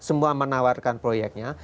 semua menawarkan proyeknya